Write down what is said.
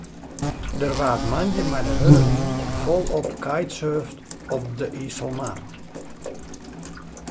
Der waard moandei mei de hurde wyn folop kitesurfd op de Iselmar.